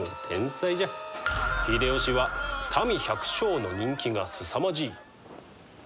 秀吉は民百姓の人気がすさまじい。